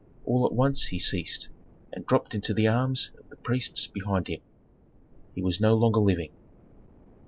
All at once he ceased, and dropped into the arms of the priests behind him. He was no longer living.